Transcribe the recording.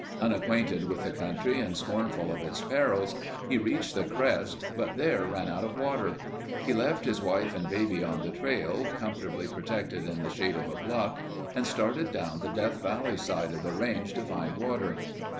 Unacquainted with the country and scornful of its perils, he reached the crest, but there ran out of water. He left his wife and the baby on the trail, comfortably protected in the shade of a bluff and started down the Death Valley side of the range to find water.